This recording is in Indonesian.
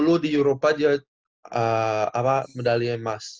u dua puluh di eropa dia apa medali emas